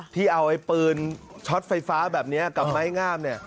ที่เอาไอ้ปืนช็อตไฟฟ้าแบบนี้กับไม้งามเนี่ย